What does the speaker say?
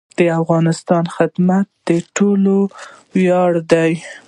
د افغانستان خدمت د ټولو ویاړ دی